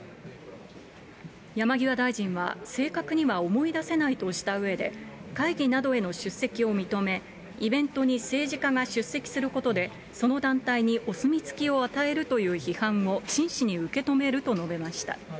山際大臣は、正確には思い出せないとしたうえで、会議などへの出席を認め、イベントに政治家が出席することで、その団体にお墨付きを与えるという批判を真摯に受け止めると述べました。